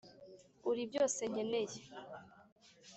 uri byose nkeneye